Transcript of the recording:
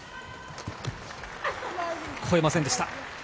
越えませんでした。